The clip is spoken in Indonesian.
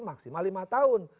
maksimal lima tahun